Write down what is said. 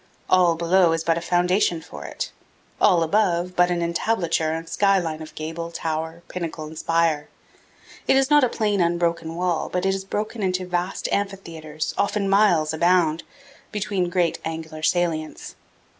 All below is but a foundation for it; all above, but an entablature and sky line of gable, tower, pinnacle, and spire. It is not a plain, unbroken wall, but is broken into vast amphitheaters, often miles abound, between great angular salients.